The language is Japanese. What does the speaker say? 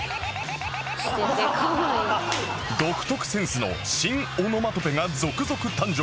独特センスの新オノマトペが続々誕生